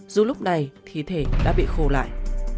dù lúc này thi thể đã bị khô lại